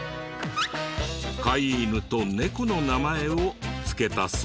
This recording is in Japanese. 飼い犬と猫の名前をつけたそうだ。